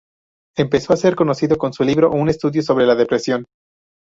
Empezó a ser conocido con su libro "Un estudio sobre la depresión".